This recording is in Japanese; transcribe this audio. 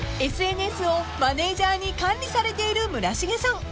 ［ＳＮＳをマネージャーに管理されている村重さん。